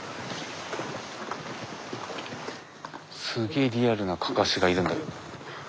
すげえリアルなかかしがいるんだけど。